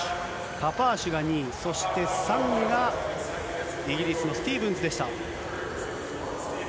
カパーシュが２位、そして３位がイギリスのスティーブンズでした。